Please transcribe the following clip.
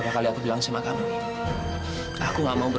dan tadi kamu tanya sama aku kenapa ndre